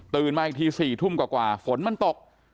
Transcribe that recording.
มาอีกที๔ทุ่มกว่าฝนมันตก